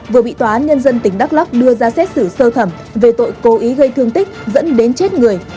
vừa bị tòa án nhân dân tỉnh đắk lóc đưa ra xét xử sơ thẩm về tội cố ý gây thương tích dẫn đến chết người